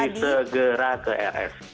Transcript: jadi segera ke rs